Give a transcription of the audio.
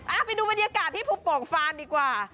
ไปดูบรรยากาศที่ภูโป่งฟานดีกว่า